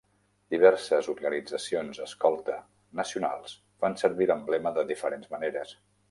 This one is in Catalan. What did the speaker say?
Diverses organitzacions Escolta nacionals fan servir l'emblema de diferents maneres.